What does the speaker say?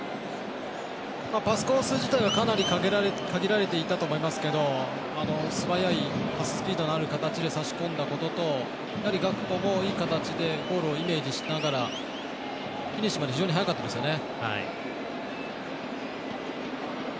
パスコース自体はかなり限られていたと思いますけど素早いパススピードのある形で差し込んだこととガクポもいい形でゴールをイメージしながらフィニッシュまで非常に早かったですよね。